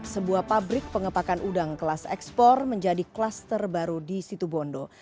sebuah pabrik pengepakan udang kelas ekspor menjadi kluster baru di situ bondo